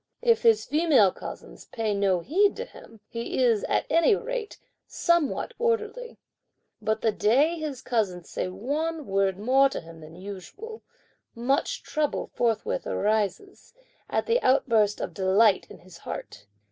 If his female cousins pay no heed to him, he is, at any rate, somewhat orderly, but the day his cousins say one word more to him than usual, much trouble forthwith arises, at the outburst of delight in his heart.